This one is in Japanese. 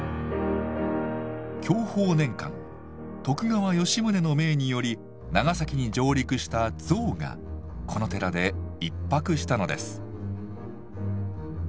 享保年間徳川吉宗の命により長崎に上陸した象がこの寺で１泊したのです。